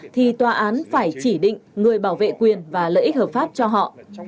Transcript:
thì toán phải chỉ định người bảo vệ quyền và lợi ích hợp pháp cho họ